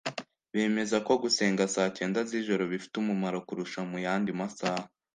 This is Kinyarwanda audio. bemeza ko gusenga saa cyenda z’ijoro bifite umumaro kurusha mu yandi masaha